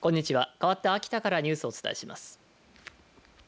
かわって秋田からニュースをお伝えします。